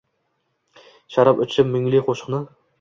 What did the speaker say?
Sharob ichib mungli qoʻshiqni